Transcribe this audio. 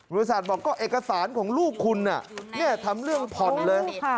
บริษัทบอกก็เอกสารของลูกคุณทำเรื่องผ่อนเลย